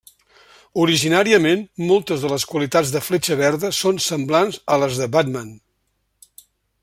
Originàriament, moltes de les qualitats de Fletxa Verda són semblants a les de Batman.